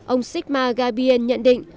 ông sigmar gabriel nhận định